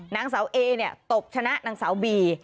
นางสาวเอเนี่ยตบชนะนางสาวบี